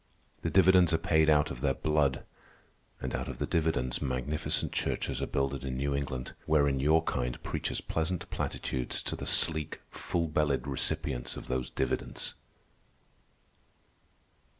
The dividends are paid out of their blood. And out of the dividends magnificent churches are builded in New England, wherein your kind preaches pleasant platitudes to the sleek, full bellied recipients of those dividends."